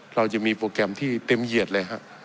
เราจะมีโปรแกรมที่เต็มเหยียดเลยฮะ